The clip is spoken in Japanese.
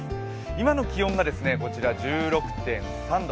今の気温が１６．３度。